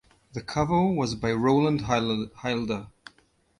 The cover was by Rowland Hilder.